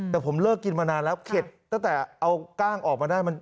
แต่ผมเลิกกินมานานแล้วเข็ดตั้งแต่เอากล้างออกมาได้